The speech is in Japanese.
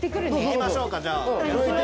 行きましょうかじゃあ。